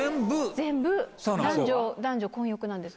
全部、男女混浴なんです。